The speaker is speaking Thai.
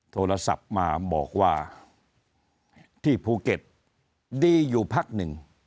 โทรศัพท์มาบอกว่าที่ภูเก็ตดีอยู่พักหนึ่ง